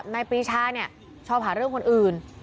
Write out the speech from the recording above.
ในปริชาชอบหาเรื่องคนอื่น